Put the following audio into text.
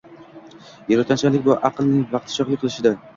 Yaratuvchanlik – bu aqlning vaqtichog’lik qilishidi